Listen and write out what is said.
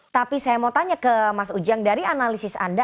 tapi saya mau tanya ke mas ujang dari analisis anda